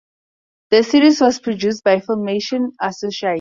The series was produced by Filmation Associates.